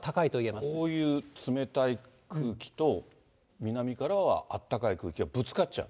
まこういう冷たい空気と、南からはあったかい空気がぶつかっちゃう？